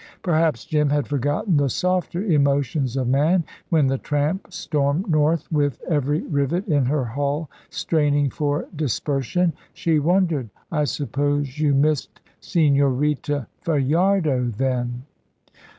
Perhaps Jim had forgotten the softer emotions of man when the tramp stormed north with every rivet in her hull straining for dispersion. She wondered. "I suppose you missed Señorita Fajardo then?"